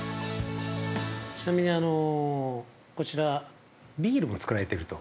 ちなみに、こちらビールもつくられていると。